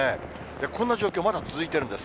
こんな状況、まだ続いているんです。